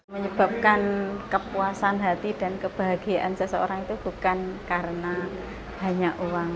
menyebabkan kepuasan hati dan kebahagiaan seseorang itu bukan karena banyak uang